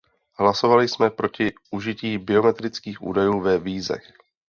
Hlasovali jsme proti užití biometrických údajů ve vízech.